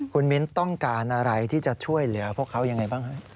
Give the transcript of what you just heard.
คุณมิ้นต้องการอะไรที่จะช่วยเหลือพวกเขายังไงบ้างครับ